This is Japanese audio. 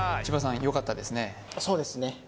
千葉さんよかったですね